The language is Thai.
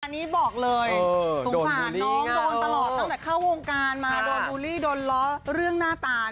อันนี้บอกเลยสงสารน้องโดนตลอดตั้งแต่เข้าวงการมาโดนบูลลี่โดนล้อเรื่องหน้าตา